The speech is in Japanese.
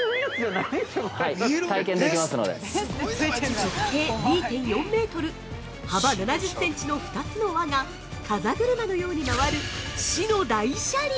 ◆直径２．４メートル、幅７０センチの２つの輪が、風車のように回る死の大車輪！